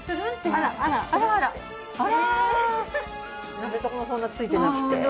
鍋底もそんなついてなくて。